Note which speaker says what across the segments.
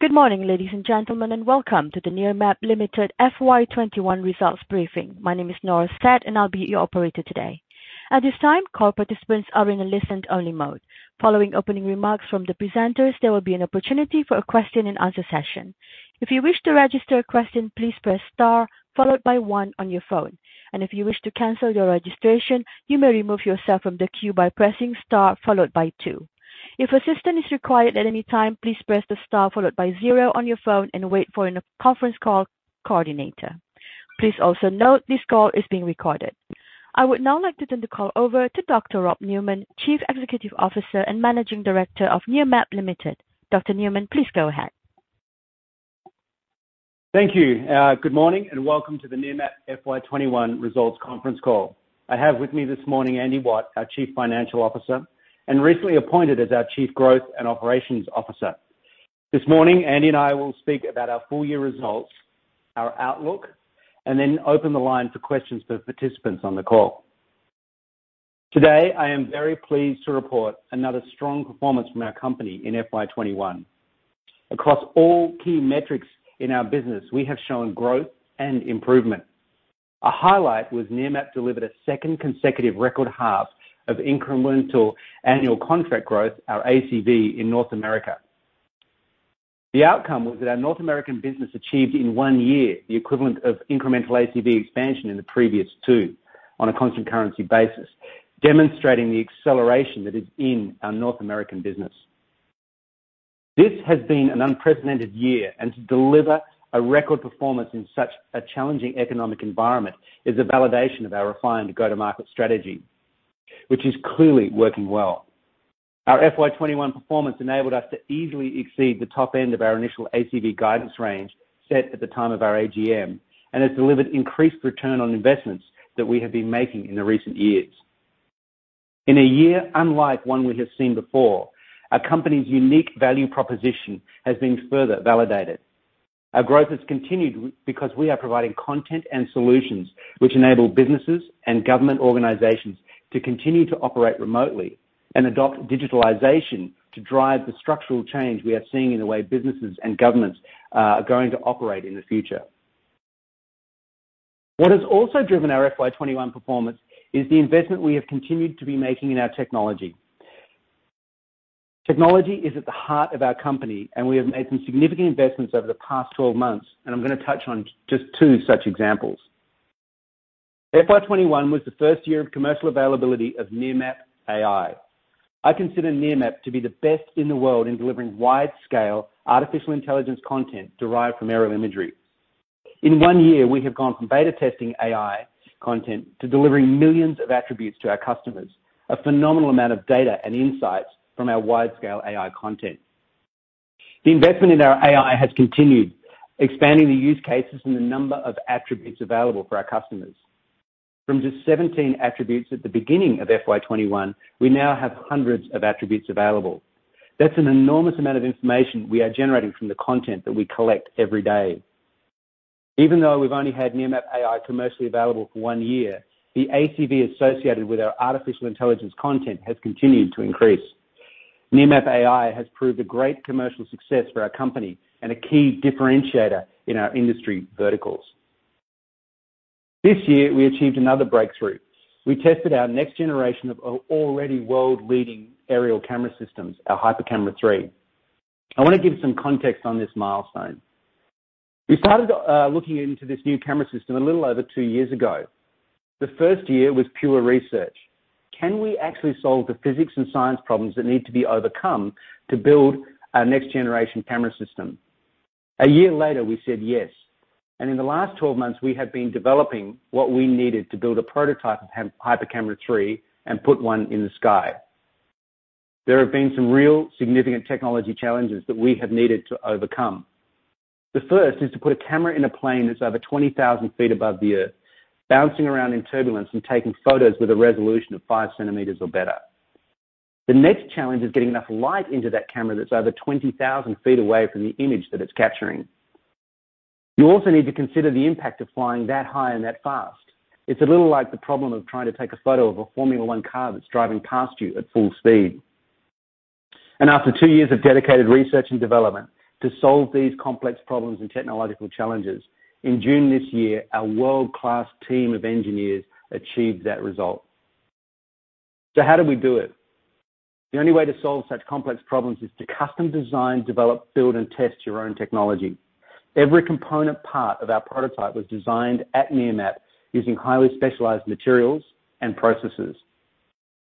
Speaker 1: Good morning, ladies and gentlemen. Welcome to the Nearmap Ltd FY 2021 results briefing. My name is Nora Stad, and I'll be your operator today. At this time, call participants are in a listen-only mode. Following opening remarks from the presenters, there will be an opportunity for a question and answer session. If you wish to register a question, please press star one on your phone. If you wish to cancel your registration, you may remove yourself from the queue by pressing star two. If assistance is required at any time, please press star zero on your phone and wait for a conference call coordinator. Please also note this call is being recorded. I would now like to turn the call over to Dr. Rob Newman, Chief Executive Officer and Managing Director of Nearmap Ltd. Dr. Newman, please go ahead.
Speaker 2: Thank you. Good morning, welcome to the Nearmap FY 2021 results conference call. I have with me this morning Andy Watt, our Chief Financial Officer and recently appointed as our Chief Growth and Operations Officer. This morning, Andy and I will speak about our full-year results, our outlook, and then open the line for questions for participants on the call. Today, I am very pleased to report another strong performance from our company in FY 2021. Across all key metrics in our business, we have shown growth and improvement. A highlight was Nearmap delivered a second consecutive record half of incremental annual contract growth, our ACV, in North America. The outcome was that our North American business achieved in one year the equivalent of incremental ACV expansion in the previous two on a constant currency basis, demonstrating the acceleration that is in our North American business. This has been an unprecedented year, and to deliver a record performance in such a challenging economic environment is a validation of our refined go-to-market strategy, which is clearly working well. Our FY 2021 performance enabled us to easily exceed the top end of our initial ACV guidance range set at the time of our AGM and has delivered increased return on investments that we have been making in the recent years. In a year unlike one we have seen before, our company's unique value proposition has been further validated. Our growth has continued because we are providing content and solutions which enable businesses and government organizations to continue to operate remotely and adopt digitalization to drive the structural change we are seeing in the way businesses and governments are going to operate in the future. What has also driven our FY 2021 performance is the investment we have continued to be making in our technology. Technology is at the heart of our company, and we have made some significant investments over the past 12 months. I'm going to touch on just two such examples. FY 2021 was the first year of commercial availability of Nearmap AI. I consider Nearmap to be the best in the world in delivering wide-scale artificial intelligence content derived from aerial imagery. In one year, we have gone from beta testing AI content to delivering millions of attributes to our customers, a phenomenal amount of data and insights from our wide-scale AI content. The investment in our AI has continued, expanding the use cases and the number of attributes available for our customers. From just 17 attributes at the beginning of FY 2021, we now have hundreds of attributes available. That's an enormous amount of information we are generating from the content that we collect every day. Even though we've only had Nearmap AI commercially available for one year, the ACV associated with our artificial intelligence content has continued to increase. Nearmap AI has proved a great commercial success for our company and a key differentiator in our industry verticals. This year, we achieved another breakthrough. We tested our next generation of already world-leading aerial camera systems, our HyperCamera 3. I want to give some context on this milestone. We started looking into this new camera system a little over two years ago. The first year was pure research. Can we actually solve the physics and science problems that need to be overcome to build our next generation camera system? A year later, we said yes, and in the last 12 months, we have been developing what we needed to build a prototype of HyperCamera 3 and put one in the sky. There have been some real significant technology challenges that we have needed to overcome. The first is to put a camera in a plane that's over 20,000 feet above the Earth, bouncing around in turbulence and taking photos with a resolution of five centimeters or better. The next challenge is getting enough light into that camera that's over 20,000 feet away from the image that it's capturing. You also need to consider the impact of flying that high and that fast. It's a little like the problem of trying to take a photo of a Formula 1 car that's driving past you at full speed. After two years of dedicated research and development to solve these complex problems and technological challenges, in June this year, our world-class team of engineers achieved that result. How did we do it? The only way to solve such complex problems is to custom design, develop, build, and test your own technology. Every component part of our prototype was designed at Nearmap using highly specialized materials and processes.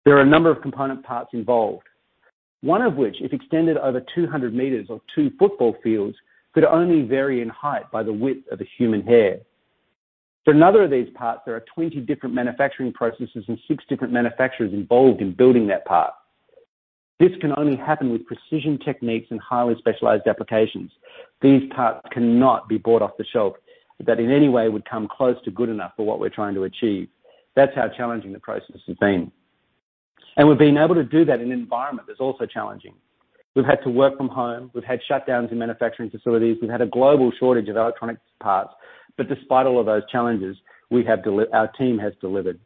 Speaker 2: There are a number of component parts involved, one of which, if extended over 200 m or two football fields, could only vary in height by the width of a human hair. For another of these parts, there are 20 different manufacturing processes and six different manufacturers involved in building that part. This can only happen with precision techniques and highly specialized applications. These parts cannot be bought off the shelf that in any way would come close to good enough for what we're trying to achieve. That's how challenging the process has been. We've been able to do that in an environment that's also challenging. We've had to work from home. We've had shutdowns in manufacturing facilities. We've had a global shortage of electronics parts. Despite all of those challenges, our team has delivered.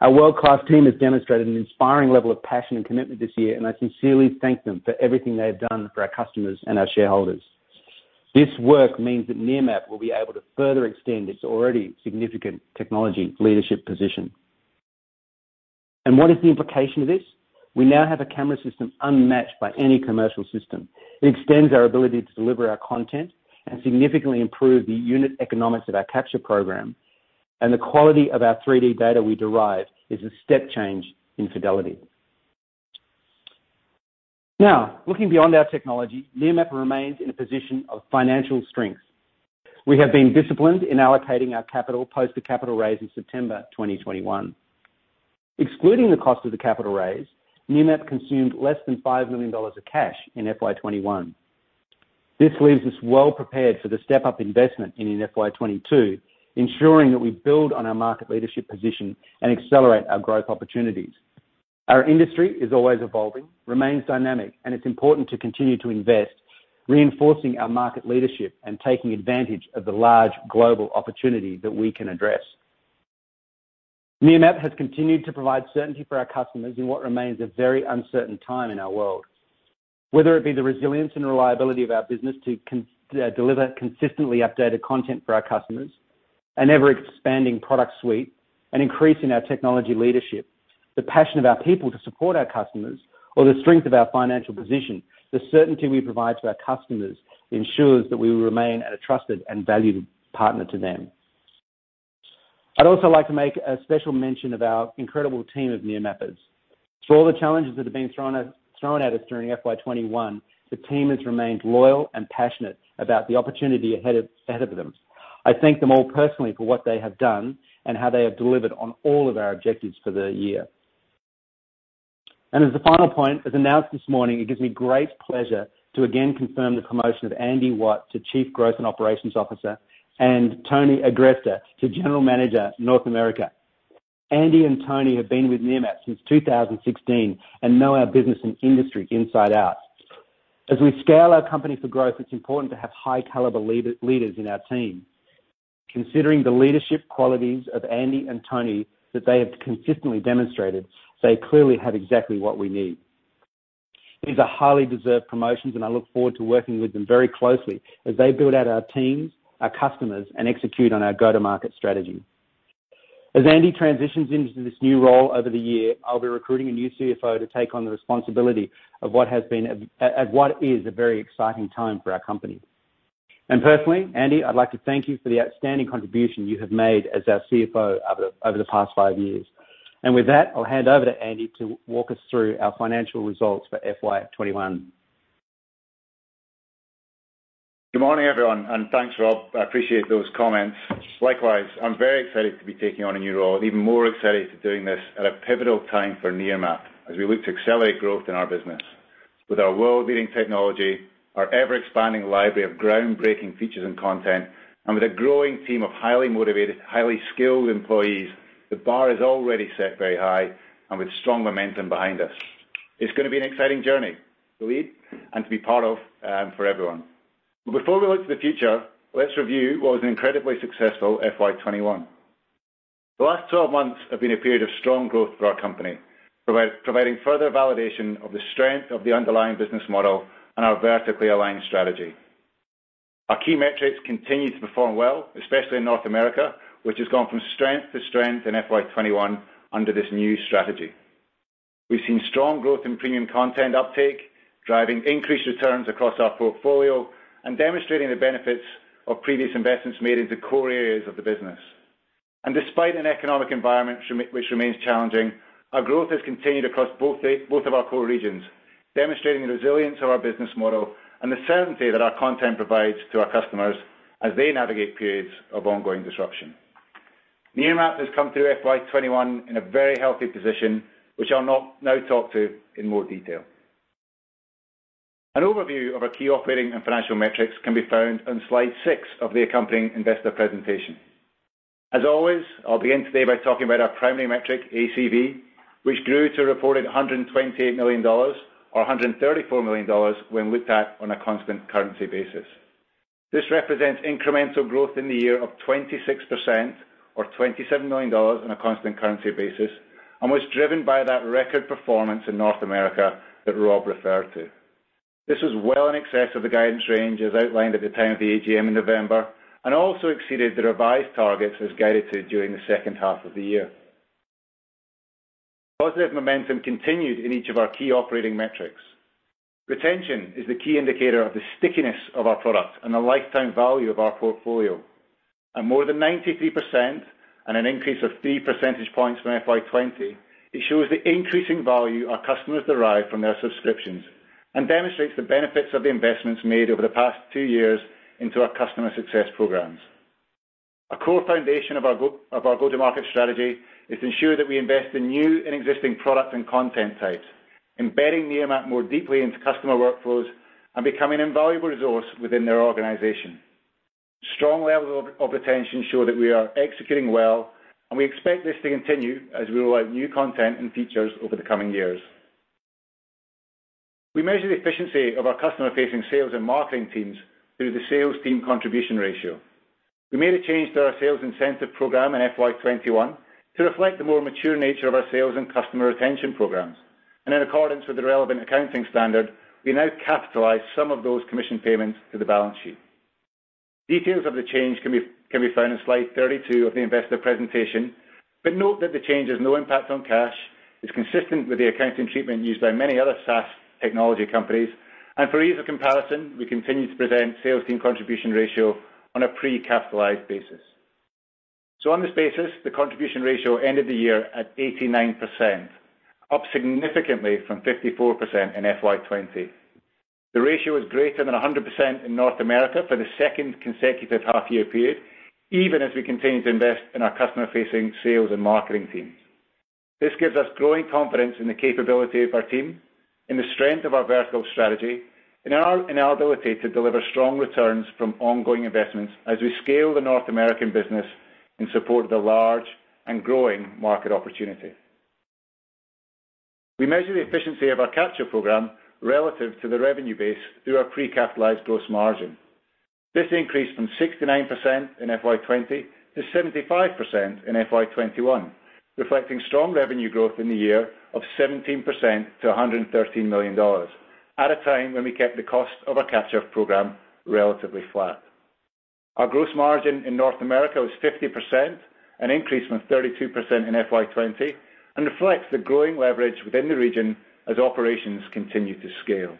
Speaker 2: Our world-class team has demonstrated an inspiring level of passion and commitment this year, and I sincerely thank them for everything they have done for our customers and our shareholders. This work means that Nearmap will be able to further extend its already significant technology leadership position. What is the implication of this? We now have a camera system unmatched by any commercial system. It extends our ability to deliver our content and significantly improve the unit economics of our capture program, and the quality of our 3D data we derive is a step change in fidelity. Now, looking beyond our technology, Nearmap remains in a position of financial strength. We have been disciplined in allocating our capital post the capital raise in September 2021. Excluding the cost of the capital raise, Nearmap consumed less than 5 million dollars of cash in FY 2021. This leaves us well prepared for the step-up investment in FY 2022, ensuring that we build on our market leadership position and accelerate our growth opportunities. Our industry is always evolving, remains dynamic, and it's important to continue to invest, reinforcing our market leadership and taking advantage of the large global opportunity that we can address. Nearmap has continued to provide certainty for our customers in what remains a very uncertain time in our world. Whether it be the resilience and reliability of our business to deliver consistently updated content for our customers, an ever-expanding product suite, an increase in our technology leadership, the passion of our people to support our customers, or the strength of our financial position, the certainty we provide to our customers ensures that we will remain a trusted and valued partner to them. I'd also like to make a special mention of our incredible team of Nearmappers. For all the challenges that have been thrown at us during FY 2021, the team has remained loyal and passionate about the opportunity ahead of them. I thank them all personally for what they have done and how they have delivered on all of our objectives for the year. As a final point, as announced this morning, it gives me great pleasure to again confirm the promotion of Andy Watt to Chief Growth and Operations Officer and Tony Agresta to General Manager, North America. Andy and Tony have been with Nearmap since 2016 and know our business and industry inside out. As we scale our company for growth, it is important to have high caliber leaders in our team. Considering the leadership qualities of Andy and Tony that they have consistently demonstrated, they clearly have exactly what we need. These are highly deserved promotions, and I look forward to working with them very closely as they build out our teams, our customers, and execute on our go-to-market strategy. As Andy transitions into this new role over the year, I will be recruiting a new CFO to take on the responsibility at what is a very exciting time for our company. Personally, Andy, I'd like to thank you for the outstanding contribution you have made as our CFO over the past five years. With that, I'll hand over to Andy to walk us through our financial results for FY 2021.
Speaker 3: Good morning, everyone, and thanks, Rob. I appreciate those comments. Likewise, I'm very excited to be taking on a new role. Even more excited to doing this at a pivotal time for Nearmap, as we look to accelerate growth in our business. With our world-leading technology, our ever-expanding library of groundbreaking features and content, and with a growing team of highly motivated, highly skilled employees, the bar is already set very high and with strong momentum behind us. It's gonna be an exciting journey to lead and to be part of for everyone. Before we look to the future, let's review what was an incredibly successful FY 2021. The last 12 months have been a period of strong growth for our company, providing further validation of the strength of the underlying business model and our vertically aligned strategy. Our key metrics continued to perform well, especially in North America, which has gone from strength to strength in FY 2021 under this new strategy. We've seen strong growth in premium content uptake, driving increased returns across our portfolio and demonstrating the benefits of previous investments made into core areas of the business. Despite an economic environment which remains challenging, our growth has continued across both of our core regions, demonstrating the resilience of our business model and the certainty that our content provides to our customers as they navigate periods of ongoing disruption. Nearmap has come through FY 2021 in a very healthy position, which I'll now talk to in more detail. An overview of our key operating and financial metrics can be found on Slide 6 of the accompanying investor presentation. As always, I'll begin today by talking about our primary metric, ACV, which grew to a reported 128 million dollars, or 134 million dollars when looked at on a constant currency basis. This represents incremental growth in the year of 26%, or 27 million dollars on a constant currency basis, and was driven by that record performance in North America that Rob referred to. This was well in excess of the guidance range as outlined at the time of the AGM in November, and also exceeded the revised targets as guided to during the second half of the year. Positive momentum continued in each of our key operating metrics. Retention is the key indicator of the stickiness of our product and the lifetime value of our portfolio. At more than 93%, and an increase of 3 percentage points from FY 2020, it shows the increasing value our customers derive from their subscriptions and demonstrates the benefits of the investments made over the past two years into our customer success programs. A core foundation of our go-to-market strategy is to ensure that we invest in new and existing product and content types, embedding Nearmap more deeply into customer workflows and becoming an invaluable resource within their organization. Strong levels of retention show that we are executing well, and we expect this to continue as we roll out new content and features over the coming years. We measure the efficiency of our customer-facing sales and marketing teams through the sales team contribution ratio. We made a change to our sales incentive program in FY 2021 to reflect the more mature nature of our sales and customer retention programs, and in accordance with the relevant accounting standard, we now capitalize some of those commission payments to the balance sheet. Details of the change can be found on Slide 32 of the investor presentation, but note that the change has no impact on cash, is consistent with the accounting treatment used by many other SaaS technology companies, and for ease of comparison, we continue to present sales team contribution ratio on a pre-capitalized basis. On this basis, the contribution ratio ended the year at 89%, up significantly from 54% in FY 2020. The ratio is greater than 100% in North America for the second consecutive half year period, even as we continue to invest in our customer-facing sales and marketing teams. This gives us growing confidence in the capability of our team, in the strength of our vertical strategy, in our ability to deliver strong returns from ongoing investments as we scale the North American business in support of the large and growing market opportunity. We measure the efficiency of our capture program relative to the revenue base through our pre-capitalized gross margin. This increased from 69% in FY 2020 to 75% in FY 2021, reflecting strong revenue growth in the year of 17% to 113 million dollars, at a time when we kept the cost of our capture program relatively flat. Our gross margin in North America was 50%, an increase from 32% in FY 2020, and reflects the growing leverage within the region as operations continue to scale.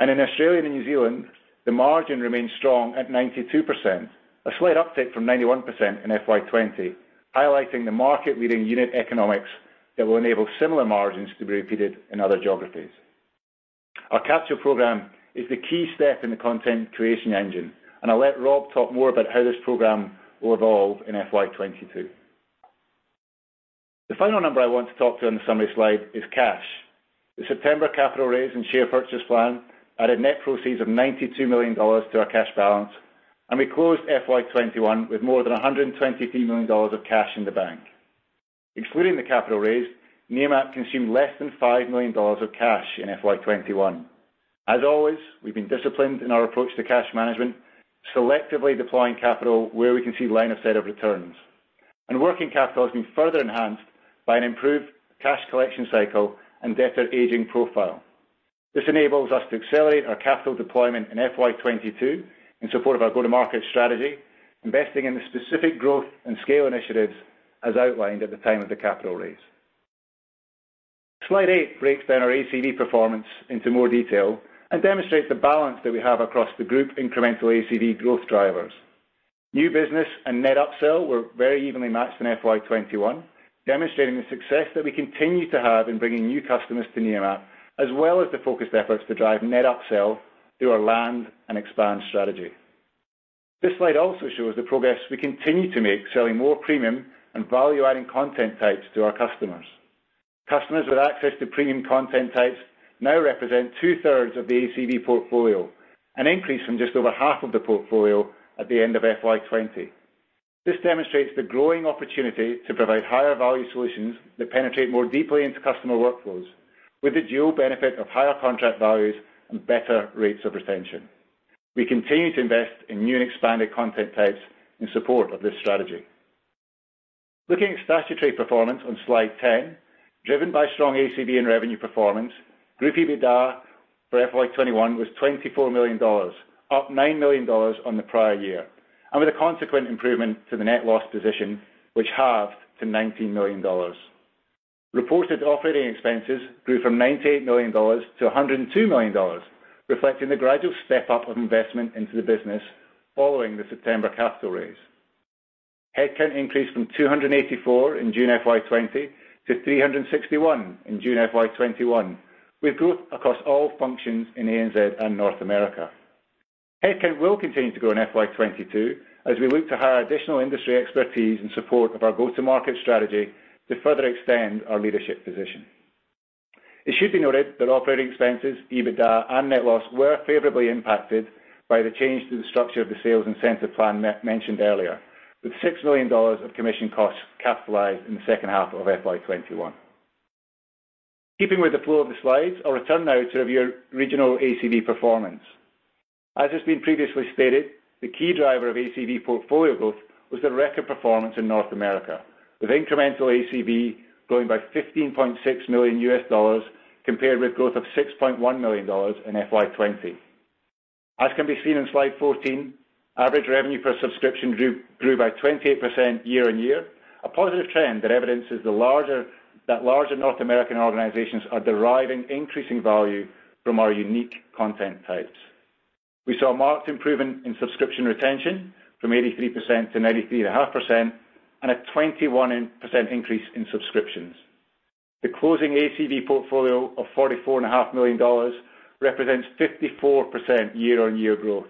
Speaker 3: In Australia and New Zealand, the margin remains strong at 92%, a slight uptick from 91% in FY 2020, highlighting the market-leading unit economics that will enable similar margins to be repeated in other geographies. Our capture program is the key step in the content creation engine, and I'll let Rob talk more about how this program will evolve in FY 2022. The final number I want to talk to on the summary slide is cash. The September capital raise and share purchase plan added net proceeds of 92 million dollars to our cash balance, and we closed FY 2021 with more than 123 million dollars of cash in the bank. Excluding the capital raise, Nearmap consumed less than 5 million dollars of cash in FY 2021. As always, we've been disciplined in our approach to cash management, selectively deploying capital where we can see line of sight of returns. Working capital has been further enhanced by an improved cash collection cycle and debtor aging profile. This enables us to accelerate our capital deployment in FY 2022 in support of our go-to-market strategy, investing in the specific growth and scale initiatives as outlined at the time of the capital raise. Slide 8 breaks down our ACV performance into more detail and demonstrates the balance that we have across the group incremental ACV growth drivers. New business and net upsell were very evenly matched in FY 2021, demonstrating the success that we continue to have in bringing new customers to Nearmap, as well as the focused efforts to drive net upsell through our land and expand strategy. This slide also shows the progress we continue to make selling more premium and value-adding content types to our customers. Customers with access to premium content types now represent 2/3 of the ACV portfolio, an increase from just over half of the portfolio at the end of FY 2020. This demonstrates the growing opportunity to provide higher value solutions that penetrate more deeply into customer workflows with the dual benefit of higher contract values and better rates of retention. We continue to invest in new and expanded content types in support of this strategy. Looking at statutory performance on Slide 10, driven by strong ACV and revenue performance, group EBITDA for FY 2021 was 24 million dollars, up 9 million dollars on the prior year, and with a consequent improvement to the net loss position, which halved to 19 million dollars. Reported operating expenses grew from 98 million-102 million dollars, reflecting the gradual step up of investment into the business following the September capital raise. Headcount increased from 284 in June FY 2020 to 361 in June FY 2021, with growth across all functions in ANZ and North America. Headcount will continue to grow in FY 2022 as we look to hire additional industry expertise in support of our go-to-market strategy to further extend our leadership position. It should be noted that operating expenses, EBITDA, and net loss were favorably impacted by the change to the structure of the sales incentive plan mentioned earlier. With 6 million dollars of commission costs capitalized in the second half of FY 2021. Keeping with the flow of the slides, I'll return now to review regional ACV performance. As has been previously stated, the key driver of ACV portfolio growth was the record performance in North America, with incremental ACV growing by AUD 15.6 million compared with growth of 6.1 million dollars in FY 2020. As can be seen on Slide 14, average revenue per subscription grew by 28% year-over-year, a positive trend that evidences that larger North American organizations are deriving increasing value from our unique content types. We saw marked improvement in subscription retention from 83%-93.5%, and a 21% increase in subscriptions. The closing ACV portfolio of 44.5 million dollars represents 54% year-over-year growth.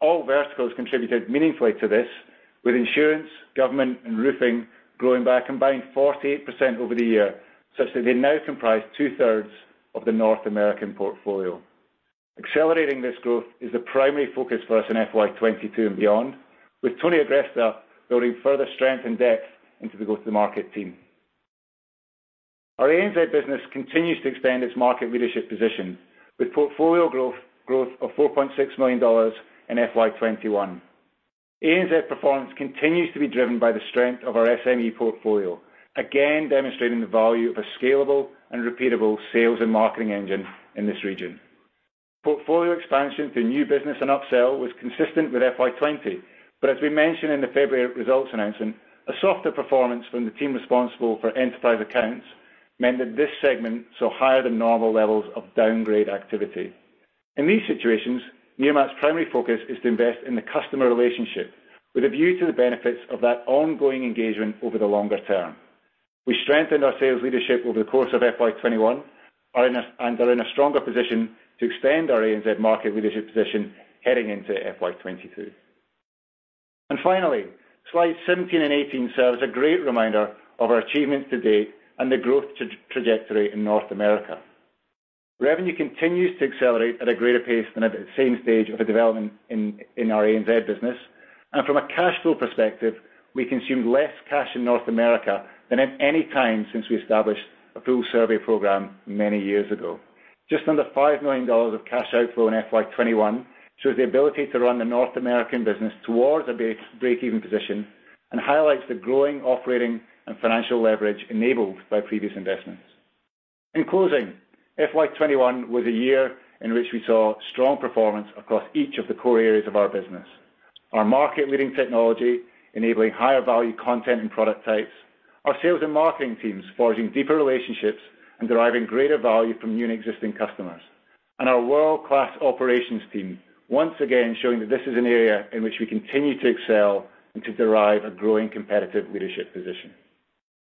Speaker 3: All verticals contributed meaningfully to this, with insurance, government, and roofing growing by a combined 48% over the year, such that they now comprise 2/3 of the North American portfolio. Accelerating this growth is the primary focus for us in FY 2022 and beyond, with Tony Agresta building further strength and depth into the go-to-market team. Our ANZ business continues to extend its market leadership position with portfolio growth of 4.6 million dollars in FY 2021. ANZ performance continues to be driven by the strength of our SME portfolio, again demonstrating the value of a scalable and repeatable sales and marketing engine in this region. Portfolio expansion through new business and upsell was consistent with FY 2020. As we mentioned in the February results announcement, a softer performance from the team responsible for enterprise accounts meant that this segment saw higher than normal levels of downgrade activity. In these situations, Nearmap's primary focus is to invest in the customer relationship with a view to the benefits of that ongoing engagement over the longer-term. We strengthened our sales leadership over the course of FY 2021 and are in a stronger position to extend our ANZ market leadership position heading into FY 2022. Finally, Slides 17 and 18 serve as a great reminder of our achievements to date and the growth trajectory in North America. Revenue continues to accelerate at a greater pace than at the same stage of a development in our ANZ business. From a cash flow perspective, we consumed less cash in North America than at any time since we established a full survey program many years ago. Just under 5 million dollars of cash outflow in FY 2021 shows the ability to run the North American business towards a break-even position and highlights the growing operating and financial leverage enabled by previous investments. In closing, FY 2021 was a year in which we saw strong performance across each of the core areas of our business. Our market-leading technology enabling higher value content and product types, our sales and marketing teams forging deeper relationships and deriving greater value from new and existing customers, and our world-class operations team, once again showing that this is an area in which we continue to excel and to derive a growing competitive leadership position.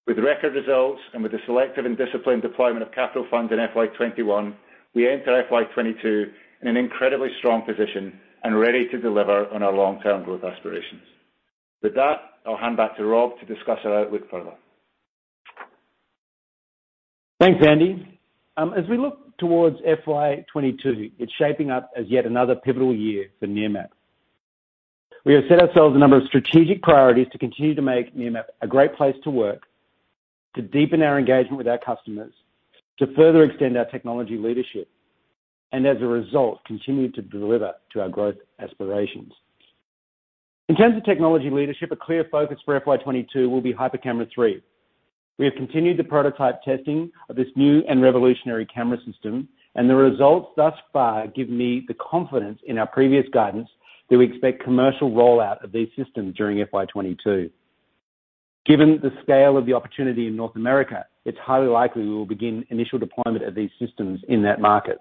Speaker 3: With record results and with the selective and disciplined deployment of capital funds in FY 2021, we enter FY 2022 in an incredibly strong position and ready to deliver on our long-term growth aspirations. With that, I'll hand back to Rob to discuss our outlook further.
Speaker 2: Thanks, Andy. We look towards FY 2022, it's shaping up as yet another pivotal year for Nearmap. We have set ourselves a number of strategic priorities to continue to make Nearmap a great place to work, to deepen our engagement with our customers, to further extend our technology leadership, and as a result, continue to deliver to our growth aspirations. Terms of technology leadership, a clear focus for FY 2022 will be HyperCamera 3. We have continued the prototype testing of this new and revolutionary camera system, the results thus far give me the confidence in our previous guidance that we expect commercial rollout of these systems during FY 2022. The scale of the opportunity in North America, it's highly likely we will begin initial deployment of these systems in that market.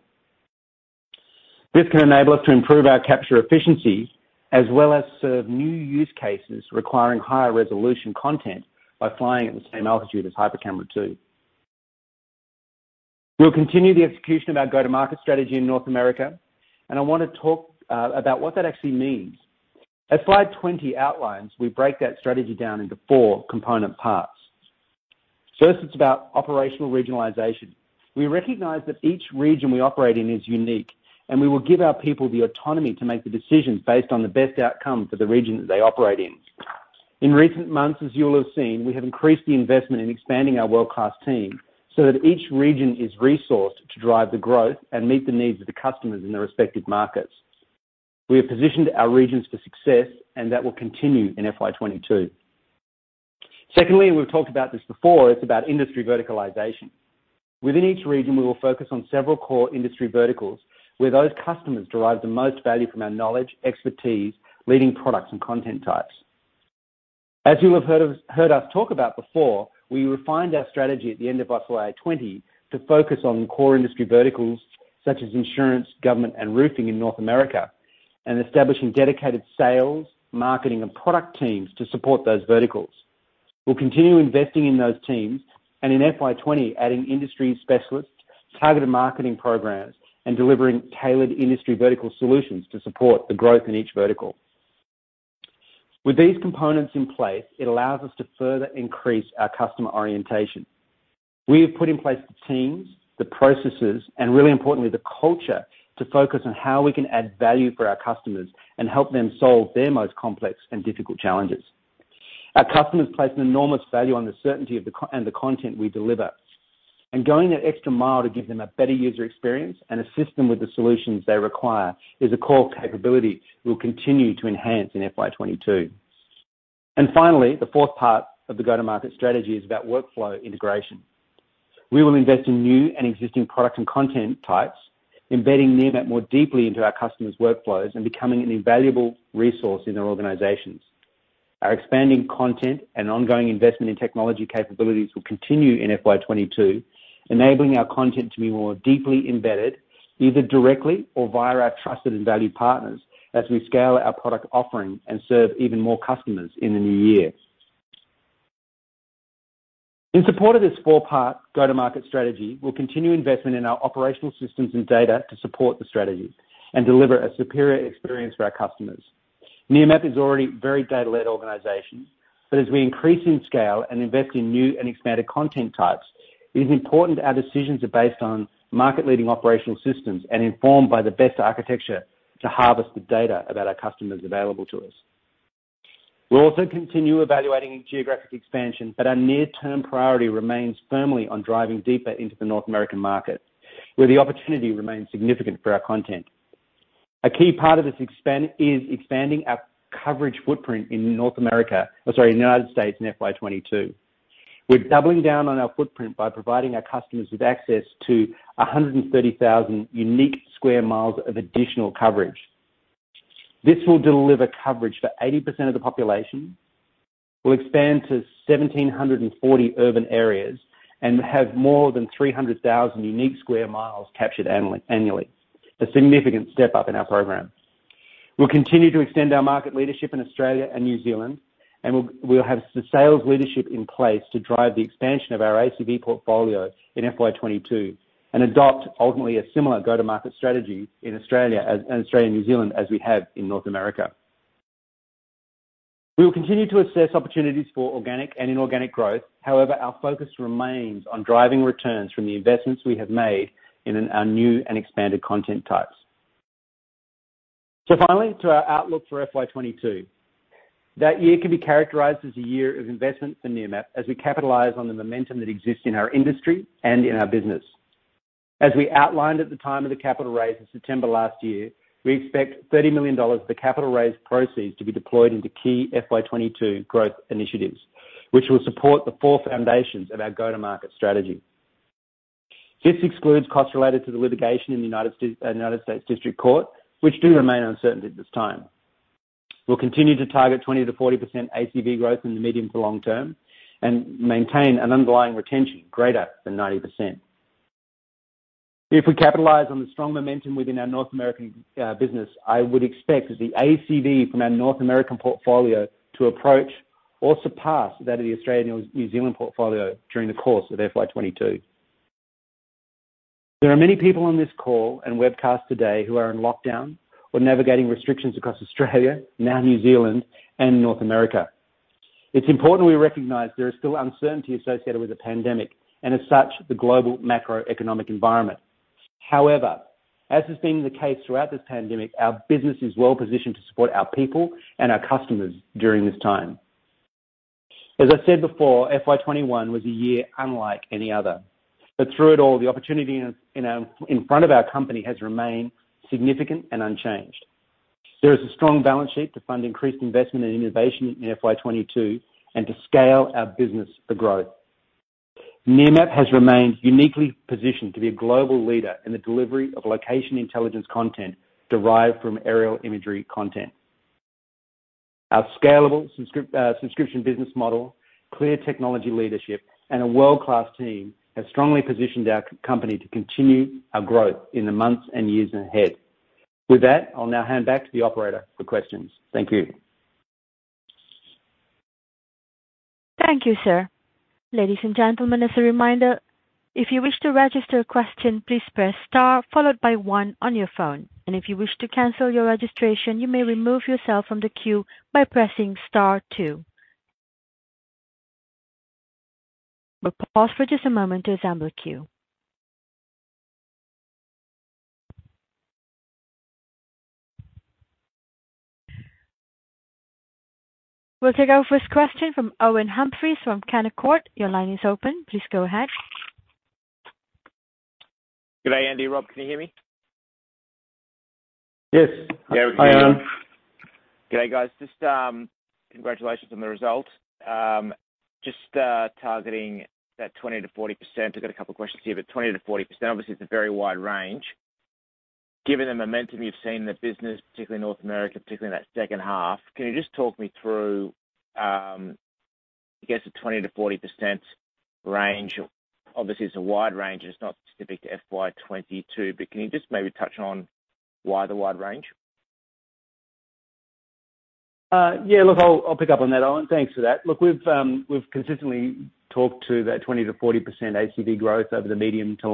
Speaker 2: This can enable us to improve our capture efficiency as well as serve new use cases requiring higher resolution content by flying at the same altitude as HyperCamera 2. We'll continue the execution of our go-to-market strategy in North America, and I want to talk about what that actually means. As Slide 20 outlines, we break that strategy down into four component parts. First, it's about operational regionalization. We recognize that each region we operate in is unique, and we will give our people the autonomy to make the decisions based on the best outcome for the region that they operate in. In recent months, as you will have seen, we have increased the investment in expanding our world-class team so that each region is resourced to drive the growth and meet the needs of the customers in their respective markets. We have positioned our regions for success, and that will continue in FY 2022. Secondly, and we've talked about this before, it's about industry verticalization. Within each region, we will focus on several core industry verticals, where those customers derive the most value from our knowledge, expertise, leading products, and content types. As you will have heard us talk about before, we refined our strategy at the end of FY 2020 to focus on core industry verticals such as insurance, government, and roofing in North America, and establishing dedicated sales, marketing, and product teams to support those verticals. We'll continue investing in those teams, and in FY 2020, adding industry specialists, targeted marketing programs, and delivering tailored industry vertical solutions to support the growth in each vertical. With these components in place, it allows us to further increase our customer orientation. We have put in place the teams, the processes, and really importantly, the culture to focus on how we can add value for our customers and help them solve their most complex and difficult challenges. Our customers place an enormous value on the certainty and the content we deliver. Going that extra mile to give them a better user experience and assist them with the solutions they require is a core capability we'll continue to enhance in FY 2022. Finally, the fourth part of the go-to-market strategy is about workflow integration. We will invest in new and existing product and content types, embedding Nearmap more deeply into our customers' workflows and becoming an invaluable resource in their organizations. Our expanding content and ongoing investment in technology capabilities will continue in FY 2022, enabling our content to be more deeply embedded, either directly or via our trusted and valued partners, as we scale our product offering and serve even more customers in the new year. In support of this four-part go-to-market strategy, we'll continue investment in our operational systems and data to support the strategy and deliver a superior experience for our customers. Nearmap is already a very data-led organization, but as we increase in scale and invest in new and expanded content types, it is important our decisions are based on market-leading operational systems and informed by the best architecture to harvest the data about our customers available to us. We'll also continue evaluating geographic expansion, but our near-term priority remains firmly on driving deeper into the North American market, where the opportunity remains significant for our content. A key part of this is expanding our coverage footprint in North America in the United States in FY 2022. We're doubling down on our footprint by providing our customers with access to 130,000 unique sq mi of additional coverage. This will deliver coverage for 80% of the population, will expand to 1,740 urban areas, and have more than 300,000 unique sq mi captured annually. A significant step up in our program. We'll continue to extend our market leadership in Australia and New Zealand, and we'll have the sales leadership in place to drive the expansion of our ACV portfolio in FY 2022 and adopt ultimately a similar go-to-market strategy in Australia and New Zealand as we have in North America. We will continue to assess opportunities for organic and inorganic growth. However, our focus remains on driving returns from the investments we have made in our new and expanded content types. Finally, to our outlook for FY 2022. That year can be characterized as a year of investment for Nearmap as we capitalize on the momentum that exists in our industry and in our business. As we outlined at the time of the capital raise in September last year, we expect 30 million dollars of the capital raise proceeds to be deployed into key FY 2022 growth initiatives, which will support the four foundations of our go-to-market strategy. This excludes costs related to the litigation in the United States District Court, which do remain uncertain at this time. We'll continue to target 20%-40% ACV growth in the medium to long-term and maintain an underlying retention greater than 90%. If we capitalize on the strong momentum within our North American business, I would expect the ACV from our North American portfolio to approach or surpass that of the Australian or New Zealand portfolio during the course of FY 2022. There are many people on this call and webcast today who are in lockdown or navigating restrictions across Australia, now New Zealand, and North America. It's important we recognize there is still uncertainty associated with the pandemic, and as such, the global macroeconomic environment. However, as has been the case throughout this pandemic, our business is well-positioned to support our people and our customers during this time. As I said before, FY 2021 was a year unlike any other. Through it all, the opportunity in front of our company has remained significant and unchanged. There is a strong balance sheet to fund increased investment and innovation in FY 2022 and to scale our business for growth. Nearmap has remained uniquely positioned to be a global leader in the delivery of location intelligence content derived from aerial imagery content. Our scalable subscription business model, clear technology leadership, and a world-class team have strongly positioned our company to continue our growth in the months and years ahead. With that, I'll now hand back to the operator for questions. Thank you.
Speaker 1: Thank you, sir. Ladies and gentlemen, as a reminder, if you wish to register a question, please press star followed by one on your phone. If you wish to cancel your registration, you may remove yourself from the queue by pressing star two. We'll pause for just a moment to assemble a queue. We'll take our first question from Owen Humphries from Canaccord. Your line is open. Please go ahead.
Speaker 4: Good day, Andy, Rob. Can you hear me?
Speaker 3: Yes. Yeah, we can hear you.
Speaker 2: Hi, Owen.
Speaker 4: Good day, guys. Just congratulations on the results. Just targeting that 20%-40%, I've got two questions here. 20%-40%, obviously, it's a very wide range. Given the momentum you've seen in the business, particularly in North America, particularly in that second half, can you just talk me through, I guess the 20%-40% range? Obviously, it's a wide range, and it's not specific to FY 2022, but can you just maybe touch on why the wide range?
Speaker 2: Yeah. Look, I'll pick up on that, Owen. Thanks for that. Look, we've consistently talked to that 20%-40% ACV growth over the medium to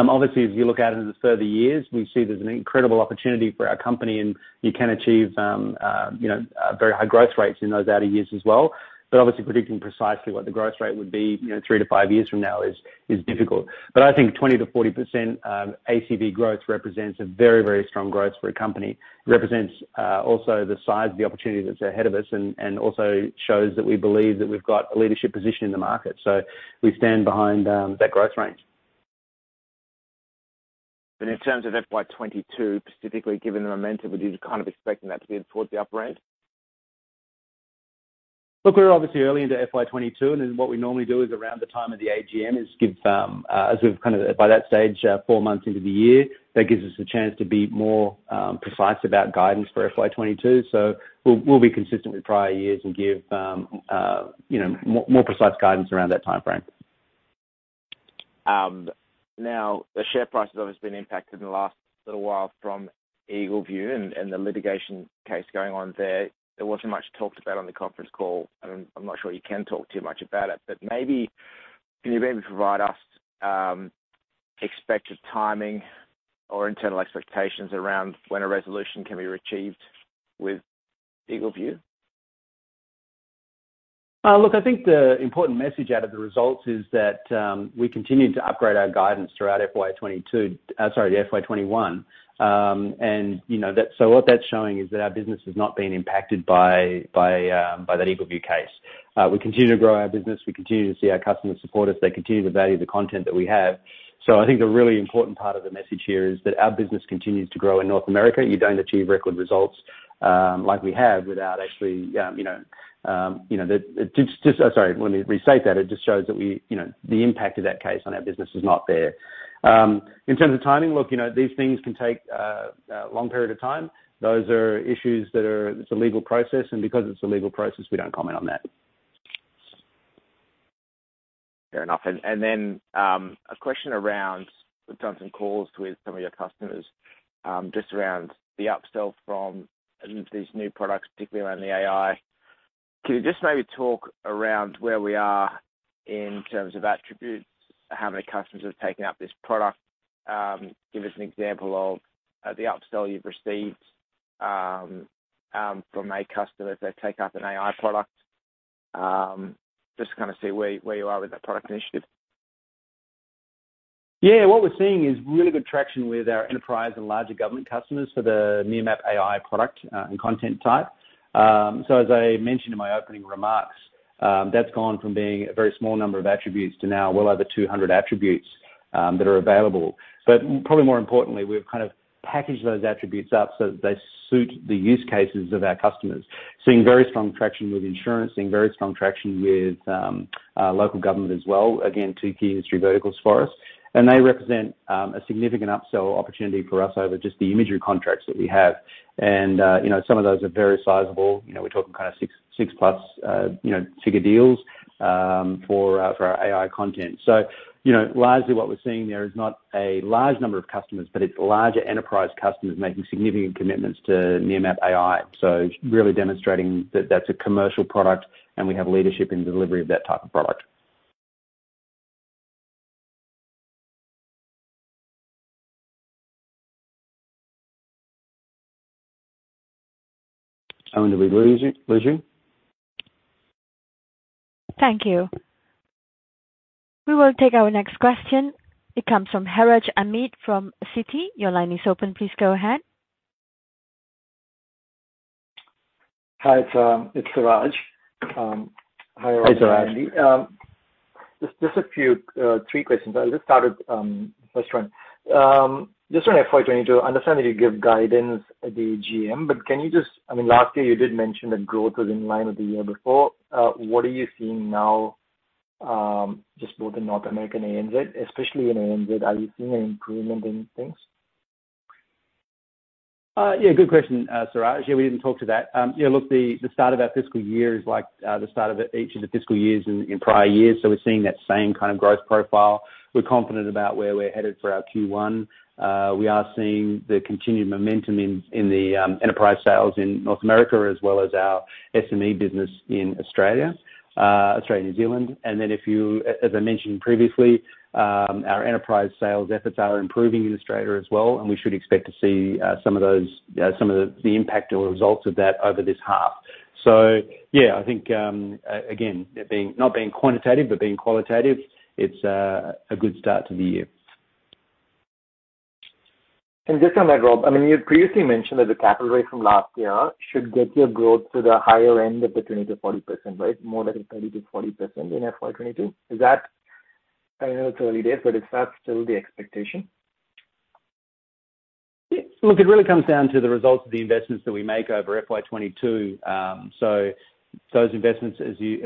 Speaker 2: long-term. As you look out into the further years, we see there's an incredible opportunity for our company, and you can achieve very high growth rates in those outer years as well. Obviously, predicting precisely what the growth rate would be three to five years from now is difficult. I think 20%-40% ACV growth represents a very, very strong growth for a company. It represents also the size of the opportunity that's ahead of us and also shows that we believe that we've got a leadership position in the market. We stand behind that growth range.
Speaker 4: In terms of FY 2022, specifically, given the momentum, would you just kind of expecting that to be towards the upper end?
Speaker 2: Look, we're obviously early into FY 2022. What we normally do is around the time of the AGM is give, as we've kind of by that stage four months into the year, that gives us a chance to be more precise about guidance for FY 2022. We'll be consistent with prior years and give more precise guidance around that timeframe.
Speaker 4: The share price has obviously been impacted in the last little while from EagleView and the litigation case going on there. There wasn't much talked about on the conference call, and I'm not sure you can talk too much about it. Maybe, can you provide us expected timing or internal expectations around when a resolution can be achieved with EagleView?
Speaker 2: I think the important message out of the results is that we continued to upgrade our guidance throughout FY 2022, sorry, FY 2021. What that's showing is that our business has not been impacted by that EagleView case. We continue to grow our business. We continue to see our customers support us. They continue to value the content that we have. I think the really important part of the message here is that our business continues to grow in North America. You don't achieve record results like we have. Sorry, let me restate that. It just shows that the impact of that case on our business is not there. In terms of timing, these things can take a long period of time. Those are issues, it's a legal process, and because it's a legal process, we don't comment on that.
Speaker 4: Fair enough. A question around, we've done some calls with some of your customers, just around the upsell from these new products, particularly around the AI. Can you just maybe talk around where we are in terms of attributes, how many customers have taken up this product? Give us an example of the upsell you've received from a customer if they take up an AI product, just to kind of see where you are with that product initiative.
Speaker 2: Yeah. What we're seeing is really good traction with our enterprise and larger government customers for the Nearmap AI product and content type. As I mentioned in my opening remarks, that's gone from being a very small number of attributes to now well over 200 attributes that are available. Probably more importantly, we've packaged those attributes up so that they suit the use cases of our customers. Seeing very strong traction with insurance, seeing very strong traction with local government as well, again, two key industry verticals for us. They represent a significant upsell opportunity for us over just the imagery contracts that we have. Some of those are very sizable. We're talking 6+ figure deals for our AI content. Largely what we're seeing there is not a large number of customers, but it's larger enterprise customers making significant commitments to Nearmap AI. Really demonstrating that that's a commercial product and we have leadership in delivery of that type of product.
Speaker 4: Over to Leeshai.
Speaker 1: Thank you. We will take our next question. It comes from Siraj Ahmed from Citi. Your line is open. Please go ahead.
Speaker 5: Hi, it's Siraj Ahmed. Hi, Rob and Andy.
Speaker 2: Hi, Siraj.
Speaker 5: Just three questions. I'll just start with the first one. Just on FY 2022, I understand that you give guidance at the GM. Can you, last year you did mention that growth was in line with the year before. What are you seeing now, just both in North America and ANZ? Especially in ANZ, are you seeing an improvement in things?
Speaker 2: Yeah, good question, Siraj. Yeah, we didn't talk to that. Look, the start of our fiscal year is like the start of each of the fiscal years in prior years. We're seeing that same kind of growth profile. We're confident about where we're headed for our Q1. We are seeing the continued momentum in the enterprise sales in North America as well as our SME business in Australia, New Zealand. As I mentioned previously, our enterprise sales efforts are improving in Australia as well, and we should expect to see some of the impact or results of that over this half. Yeah, I think, again, not being quantitative, but being qualitative, it's a good start to the year.
Speaker 5: Just on that, Rob, you previously mentioned that the capital raise from last year should get your growth to the higher end of the 20%-40%, right? More like a 30%-40% in FY 2022. I know it's early days, is that still the expectation?
Speaker 2: Look, it really comes down to the results of the investments that we make over FY 2022. Those investments, we've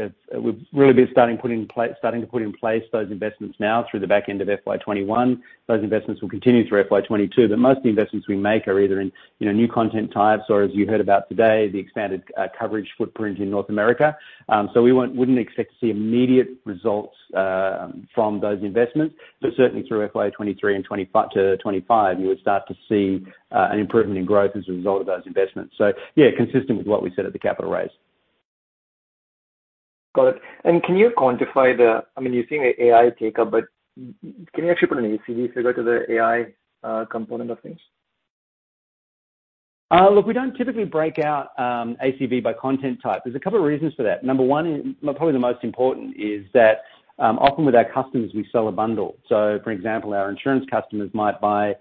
Speaker 2: really been starting to put in place those investments now through the back end of FY 2021. Those investments will continue through FY 2022. Most of the investments we make are either in new content types or, as you heard about today, the expanded coverage footprint in North America. We wouldn't expect to see immediate results from those investments. Certainly through FY 2023 to 2025, you would start to see an improvement in growth as a result of those investments. Yeah, consistent with what we said at the capital raise.
Speaker 5: Got it. Can you quantify, you are seeing the AI take up, but can you actually put an ACV figure to the AI component of things?
Speaker 2: Look, we don't typically break out ACV by content type. There's a couple of reasons for that. Number one, and probably the most important, is that often with our customers we sell a bundle. For example, our insurance customers might buy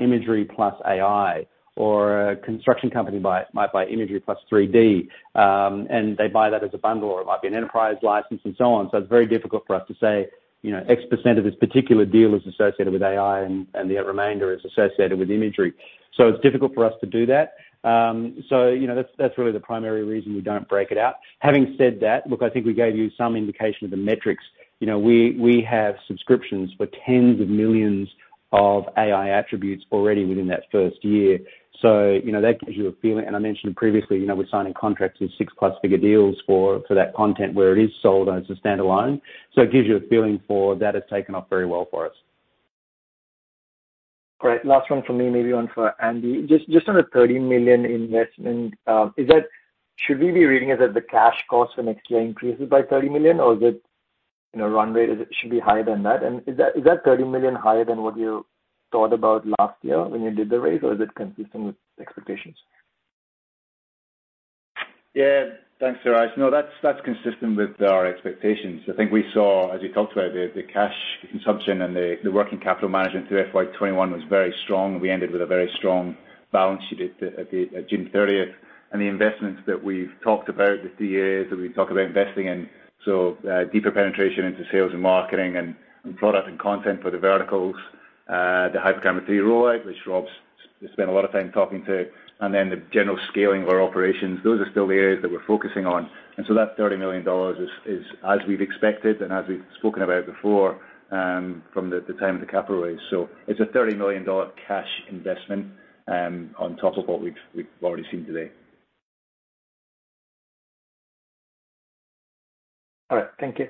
Speaker 2: imagery plus AI, or a construction company might buy imagery plus 3D, and they buy that as a bundle, or it might be an enterprise license and so on. It's very difficult for us to say X% of this particular deal is associated with AI and the remainder is associated with imagery. It's difficult for us to do that. That's really the primary reason we don't break it out. Having said that, look, I think we gave you some indication of the metrics. We have subscriptions for tens of millions of AI attributes already within that first year. That gives you a feeling, and I mentioned previously, we're signing contracts with 6-plus figure deals for that content where it is sold as a standalone. It gives you a feeling for that has taken off very well for us.
Speaker 5: Great. Last one for me, maybe one for Andy. Just on the 30 million investment, should we be reading it that the cash cost for next year increases by 30 million? Or is it run rate should be higher than that? Is that 30 million higher than what you thought about last year when you did the raise? Or is it consistent with expectations?
Speaker 3: Yeah. Thanks, Iraj. No, that's consistent with our expectations. I think we saw, as you talked about, the cash consumption and the working capital management through FY 2021 was very strong. We ended with a very strong balance sheet at June 30th. The investments that we've talked about, the 3 A's that we've talked about investing in, so deeper penetration into sales and marketing and product and content for the verticals, the HyperCamera ROI, which Rob has spent a lot of time talking to, and then the general scaling of our operations, those are still the areas that we're focusing on. That 30 million dollars is as we've expected and as we've spoken about before, from the time of the capital raise. It's an 30 million dollar cash investment, on top of what we've already seen today.
Speaker 5: All right. Thank you.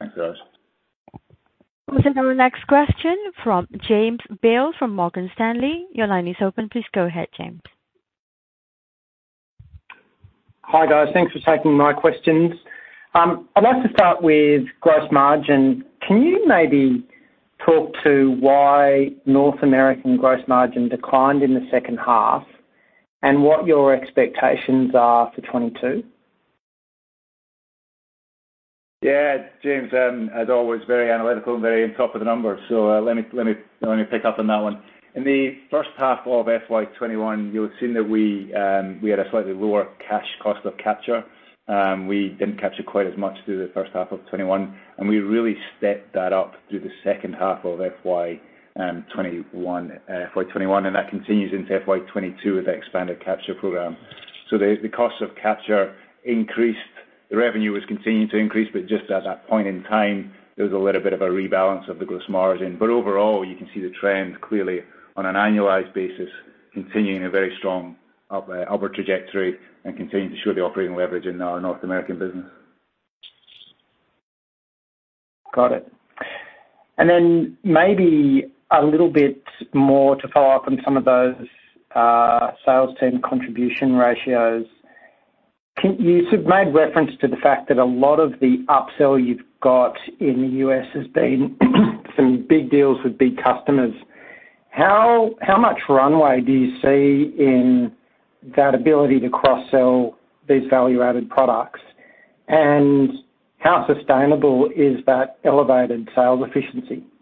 Speaker 3: Thanks, Siraj.
Speaker 1: We'll take our next question from James Bales from Morgan Stanley. Your line is open. Please go ahead, James.
Speaker 6: Hi, guys. Thanks for taking my questions. I'd like to start with gross margin. Can you maybe talk to why North American gross margin declined in the second half and what your expectations are for 2022?
Speaker 3: Yeah. James, as always, very analytical and very on top of the numbers, let me pick up on that one. In the first half of FY 2021, you'll have seen that we had a slightly lower cash cost of capture. We didn't capture quite as much through the first half of 2021, we really stepped that up through the second half of FY 2021, that continues into FY 2022 with the expanded capture program. The cost of capture increased. The revenue has continued to increase, just at that point in time, there was a little bit of a rebalance of the gross margin. Overall, you can see the trend clearly on an annualized basis, continuing a very strong upward trajectory and continuing to show the operating leverage in our North American business.
Speaker 6: Got it. Maybe a little bit more to follow up on some of those sales team contribution ratios. You sort of made reference to the fact that a lot of the upsell you've got in the U.S. has been some big deals with big customers. How much runway do you see in that ability to cross-sell these value-added products? How sustainable is that elevated sales efficiency?
Speaker 3: Yeah.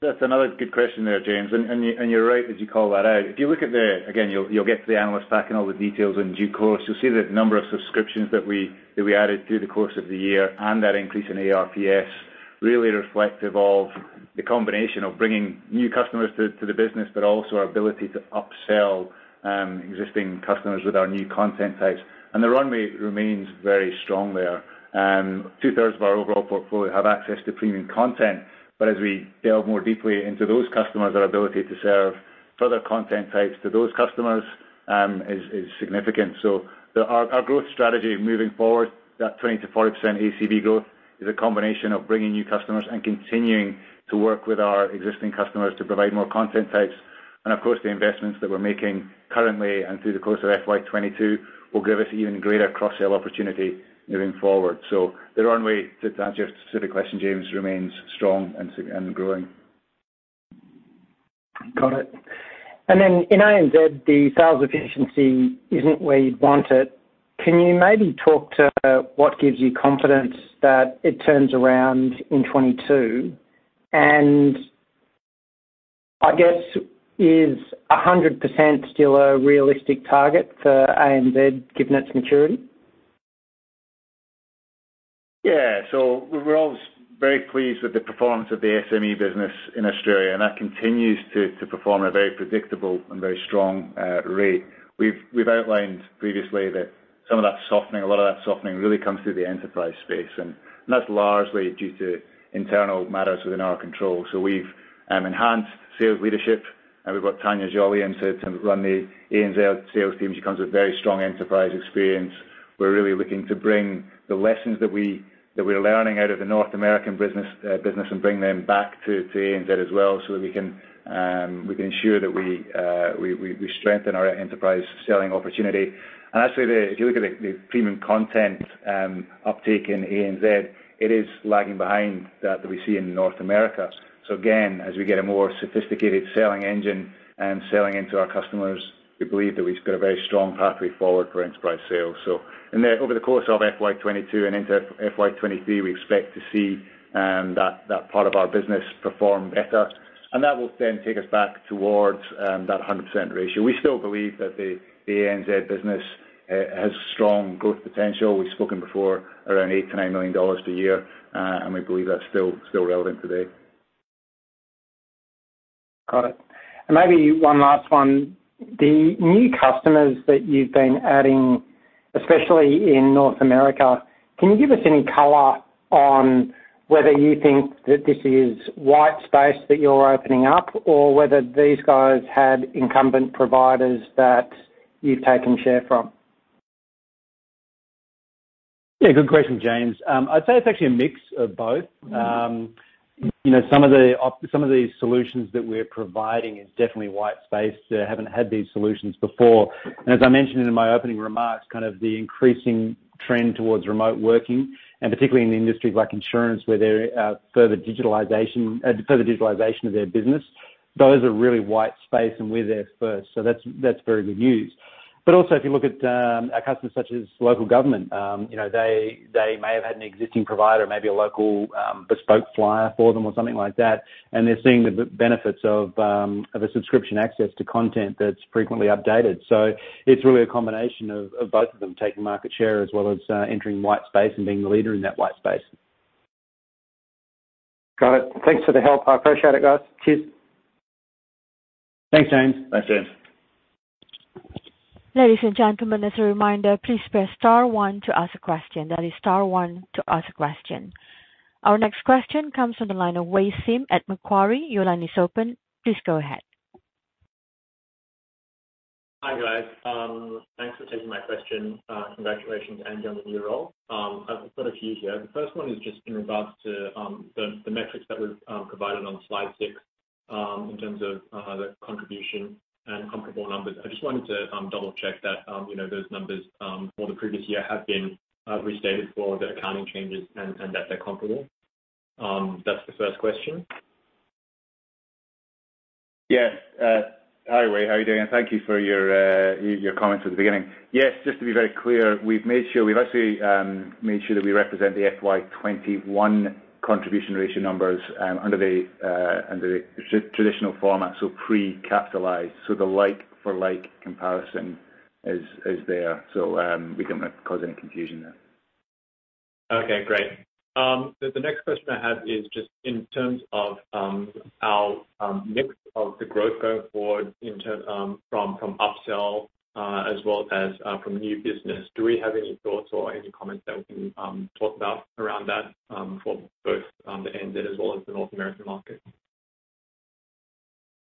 Speaker 3: That's another good question there, James. You're right as you call that out. If you look at the, again, you'll get to the analyst pack and all the details in due course, you'll see the number of subscriptions that we added through the course of the year and that increase in ARPS, really reflective of the combination of bringing new customers to the business, but also our ability to upsell existing customers with our new content types, and the runway remains very strong there. 2/3 of our overall portfolio have access to premium content, but as we delve more deeply into those customers, our ability to serve further content types to those customers is significant. Our growth strategy moving forward, that 20%-40% ACV growth, is a combination of bringing new customers and continuing to work with our existing customers to provide more content types. Of course, the investments that we're making currently and through the course of FY 2022 will give us even greater cross-sell opportunity moving forward. The runway, to answer your specific question, James, remains strong and growing.
Speaker 6: Got it. In ANZ, the sales efficiency isn't where you'd want it. Can you maybe talk to what gives you confidence that it turns around in FY 2022? I guess, is 100% still a realistic target for ANZ given its maturity?
Speaker 3: Yeah. We're always very pleased with the performance of the SME business in Australia, and that continues to perform at a very predictable and very strong rate. We've outlined previously that some of that softening, a lot of that softening really comes through the enterprise space, and that's largely due to internal matters within our control. We've enhanced sales leadership, and we've got Tania Joly in to run the ANZ sales team. She comes with very strong enterprise experience. We're really looking to bring the lessons that we're learning out of the North American business and bring them back to ANZ as well, so that we can ensure that we strengthen our enterprise selling opportunity. Actually, if you look at the premium content uptake in ANZ, it is lagging behind that we see in North America. Again, as we get a more sophisticated selling engine and selling into our customers, we believe that we've got a very strong pathway forward for enterprise sales. Over the course of FY 2022 and into FY 2023, we expect to see that part of our business perform better, and that will then take us back towards that 100% ratio. We still believe that the ANZ business has strong growth potential. We've spoken before around 8 million-9 million dollars per year, and we believe that's still relevant today.
Speaker 6: Got it. Maybe one last one. The new customers that you've been adding, especially in North America, can you give us any color on whether you think that this is white space that you're opening up or whether these guys had incumbent providers that you've taken share from?
Speaker 2: Yeah, good question, James. I'd say it's actually a mix of both. Some of these solutions that we're providing is definitely white space. They haven't had these solutions before. As I mentioned in my opening remarks, the increasing trend towards remote working, and particularly in the industries like insurance, where there are further digitalization of their business. Those are really white space, and we're there first. That's very good news. Also, if you look at our customers such as local government, they may have had an existing provider, maybe a local bespoke flyer for them or something like that, and they're seeing the benefits of a subscription access to content that's frequently updated. It's really a combination of both of them taking market share as well as entering white space and being the leader in that white space.
Speaker 6: Got it. Thanks for the help. I appreciate it, guys. Cheers.
Speaker 2: Thanks, James.
Speaker 3: Thanks, James.
Speaker 1: Ladies and gentlemen, as a reminder, please press star one to ask a question. That is star one to ask a question. Our next question comes from the line of Wei Sim at Macquarie. Your line is open. Please go ahead.
Speaker 7: Hi, guys. Thanks for taking my question. Congratulations, Andy, on the new role. I've got a few here. The first one is just in regards to the metrics that were provided on Slide 6, in terms of the contribution and comparable numbers. I just wanted to double-check that those numbers for the previous year have been restated for the accounting changes and that they're comparable. That's the first question.
Speaker 3: Yes. Hi, Wei. How are you doing? Thank you for your comments at the beginning. Yes, just to be very clear, we've actually made sure that we represent the FY 2021 contribution ratio numbers under the traditional format, so pre-capitalized. The like-for-like comparison is there. We don't cause any confusion there.
Speaker 7: Okay, great. The next question I have is just in terms of our mix of the growth going forward from upsell as well as from new business. Do we have any thoughts or any comments that we can talk about around that for both ANZ as well as the North American market?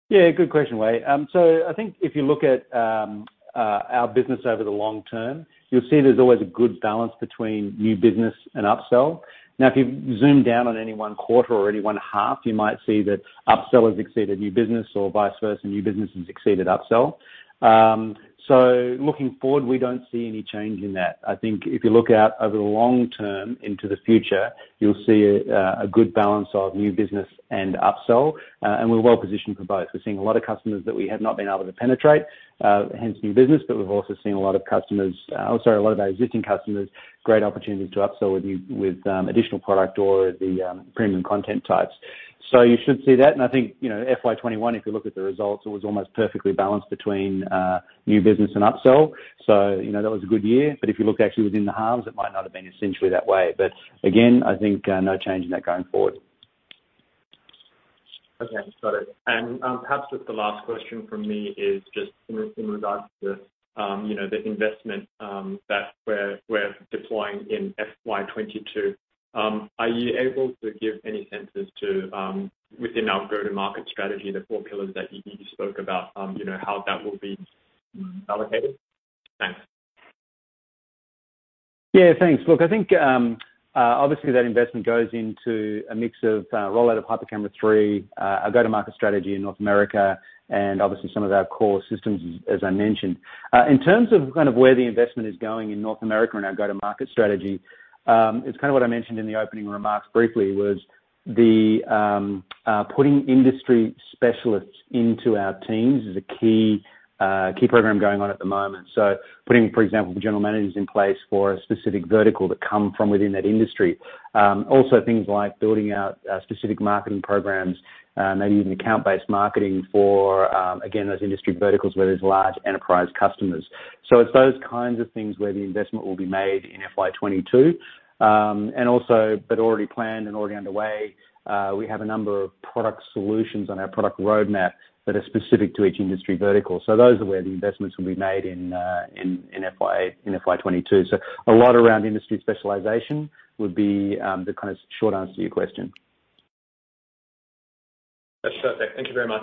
Speaker 2: Yeah, good question, Wei. I think if you look at our business over the long-term, you'll see there's always a good balance between new business and upsell. Now, if you zoom down on any one quarter or any one half, you might see that upsell has exceeded new business or vice versa, new business has exceeded upsell. Looking forward, we don't see any change in that. I think if you look out over the long-term into the future, you'll see a good balance of new business and upsell, and we're well positioned for both. We're seeing a lot of customers that we have not been able to penetrate, hence new business, but we've also seen a lot of our existing customers, great opportunity to upsell with additional product or the premium content types. You should see that. I think FY 2021, if you look at the results, it was almost perfectly balanced between new business and upsell. That was a good year. If you looked actually within the halves, it might not have been essentially that way. Again, I think no change in that going forward.
Speaker 7: Okay, got it. Perhaps just the last question from me is just in regards to the investment that we're deploying in FY 2022. Are you able to give any senses to, within our go-to-market strategy, the four pillars that you spoke about, how that will be allocated? Thanks.
Speaker 2: Thanks. Look, I think, obviously that investment goes into a mix of rollout of HyperCamera 3, a go-to-market strategy in North America, and obviously some of our core systems, as I mentioned. In terms of where the investment is going in North America and our go-to-market strategy, it's what I mentioned in the opening remarks briefly, was the putting industry specialists into our teams is a key program going on at the moment. Putting, for example, general managers in place for a specific vertical that come from within that industry. Things like building out specific marketing programs, maybe even account-based marketing for, again, those industry verticals where there's large enterprise customers. It's those kinds of things where the investment will be made in FY 2022. Also, but already planned and already underway, we have a number of product solutions on our product roadmap that are specific to each industry vertical. Those are where the investments will be made in FY 2022. A lot around industry specialization would be the short answer to your question.
Speaker 7: That's perfect. Thank you very much.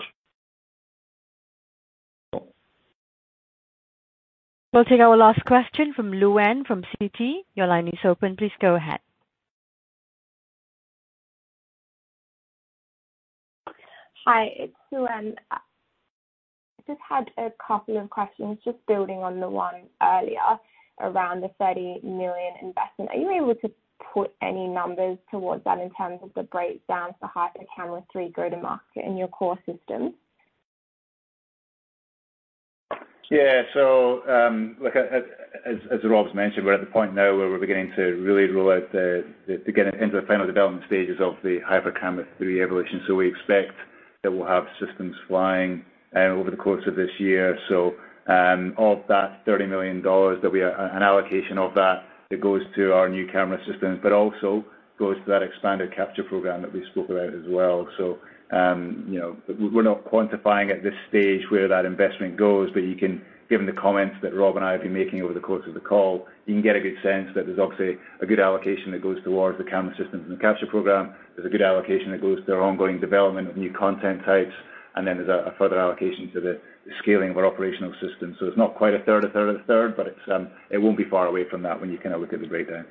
Speaker 2: Cool.
Speaker 1: We'll take our last question from Luanne from Citi. Your line is open. Please go ahead.
Speaker 8: Hi, it's Luanne. I just had a couple of questions just building on the one earlier around the 30 million investment. Are you able to put any numbers towards that in terms of the breakdown for HyperCamera 3 go to market in your core systems?
Speaker 3: As Rob's mentioned, we're at the point now where we're beginning to really get into the final development stages of the HyperCamera 3 evolution. We expect that we'll have systems flying over the course of this year. Of that 30 million dollars, an allocation of that, it goes to our new camera systems, but also goes to that expanded capture program that we spoke about as well. We're not quantifying at this stage where that investment goes. Given the comments that Rob and I have been making over the course of the call, you can get a good sense that there's obviously a good allocation that goes towards the camera systems and the capture program. There's a good allocation that goes to our ongoing development of new content types. There's a further allocation to the scaling of our operational system. It's not quite a third, a third, a third, but it won't be far away from that when you look at the breakdown.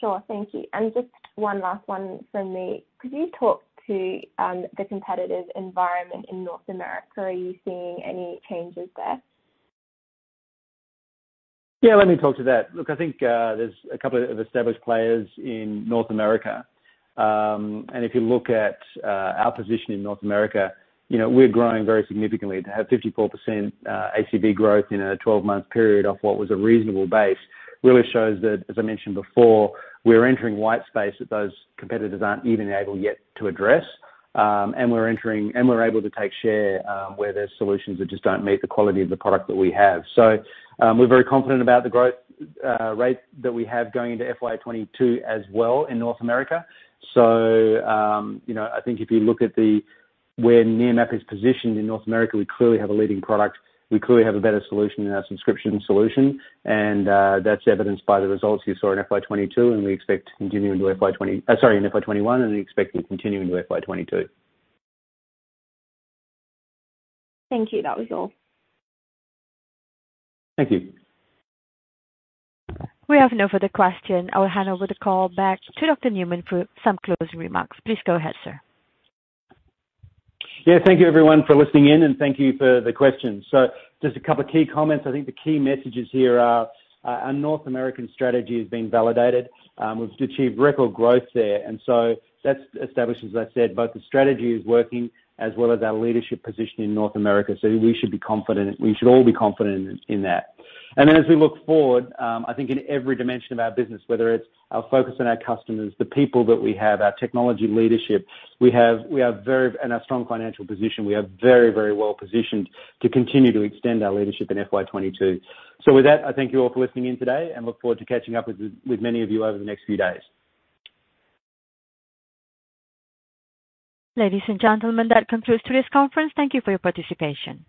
Speaker 8: Sure. Thank you. Just one last one from me. Could you talk to the competitive environment in North America? Are you seeing any changes there?
Speaker 2: Let me talk to that. Look, I think there's a couple of established players in North America. If you look at our position in North America, we're growing very significantly. To have 54% ACV growth in a 12-month period of what was a reasonable base really shows that, as I mentioned before, we're entering white space that those competitors aren't even able yet to address. We're able to take share where there's solutions that just don't meet the quality of the product that we have. We're very confident about the growth rate that we have going into FY 2022 as well in North America. I think if you look at where Nearmap is positioned in North America, we clearly have a leading product. We clearly have a better solution in our subscription solution, and that's evidenced by the results you saw in FY 2021, and we expect to continue into FY 2022.
Speaker 8: Thank you. That was all.
Speaker 2: Thank you.
Speaker 1: We have no further question. I'll hand over the call back to Dr. Newman for some closing remarks. Please go ahead, sir.
Speaker 2: Yeah. Thank you, everyone, for listening in, and thank you for the questions. Just a couple of key comments. I think the key messages here are our North American strategy has been validated. We've achieved record growth there, and so that establishes, as I said, both the strategy is working as well as our leadership position in North America. We should all be confident in that. As we look forward, I think in every dimension of our business, whether it's our focus on our customers, the people that we have, our technology leadership, and our strong financial position, we are very well-positioned to continue to extend our leadership in FY 2022. With that, I thank you all for listening in today and look forward to catching up with many of you over the next few days.
Speaker 1: Ladies and gentlemen, that concludes today's conference. Thank you for your participation.